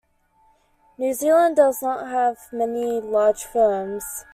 New Zealand does not have many large firms.